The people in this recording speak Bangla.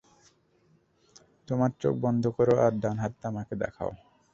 তোমার চোখ বন্ধ করো আর ডান হাতটা আমাকে দেখাও।